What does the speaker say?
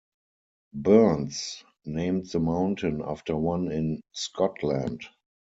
Burns named the mountain after one in Scotland.